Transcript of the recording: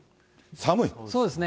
そうですね。